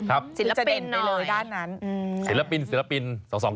ศิลปินหน่อยศิลปิน๒๒๙ด้านนั้น